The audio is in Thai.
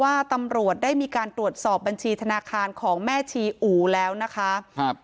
ตำรวจได้มีการตรวจสอบบัญชีธนาคารของแม่ชีอู๋แล้วนะคะครับ